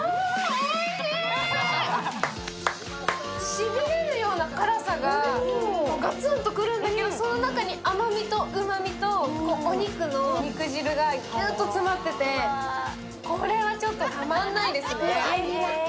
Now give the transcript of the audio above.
しびれるような辛さがガツンと来るんだけどその中に甘みとうまみとお肉の肉汁がギュッと詰まっててこれは、ちょっとたまんないですね。